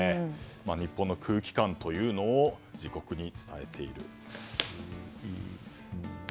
日本の空気感というのを自国に伝えている。